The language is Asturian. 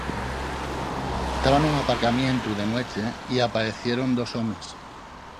Taba nun aparcamientu de nueche y apaecieron dos homes.